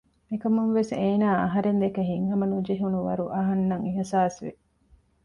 މިކަމުން ވެސް އޭނާ އަހަރެން ދެކެ ހިތްހަމަނުޖެހުނު ވަރު އަހަންނަށް އިހުސާސްވި